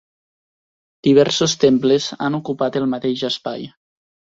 Diversos temples han ocupat el mateix espai.